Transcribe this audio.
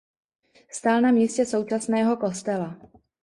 Stál na místě současného kostela.